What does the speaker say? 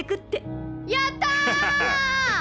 やった！